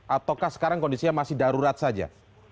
ataukah sekarang kondisinya masih darurat saja